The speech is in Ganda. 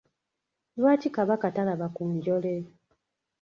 Lwaki Kabaka talaba ku njole?